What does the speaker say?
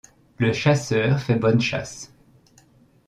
Le chasseur fait bonne chasse.